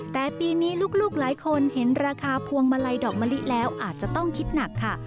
แต่ปีนี้ลูกหลายคนเห็นราคาพวงมาลัยดอกมะลิแล้วอาจจะต้องคิดหนักค่ะ